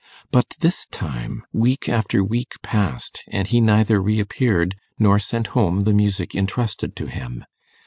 But this time, week after week passed, and he neither reappeared nor sent home the music intrusted to him.